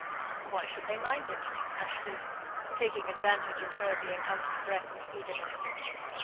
"Why should they mind it?" asked he, taking advantage of her being out of breath with eagerness.